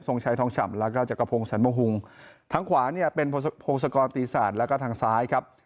ทรงชัยทองฉ่ำแล้วก็จักรพงษ์สรรพงฮุงทั้งขวาเนี่ยเป็นโพงศักรณ์ตีศาสตร์แล้วก็ทางซ้ายครับ